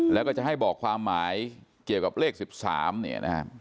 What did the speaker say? แล้วก็จะให้บอกความหมายเกี่ยวกับเลข๑๓เนี่ยนะครับ